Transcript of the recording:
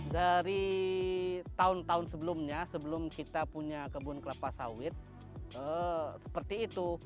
dari tahun tahun sebelumnya sebelum kita punya kebun kelapa sawit seperti itu